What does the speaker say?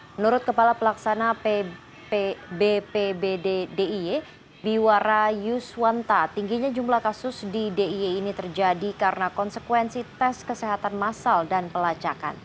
menurut kepala pelaksana bpbd d i e biwara yuswanta tingginya jumlah kasus di d i e ini terjadi karena konsekuensi tes kesehatan masal dan pelacakan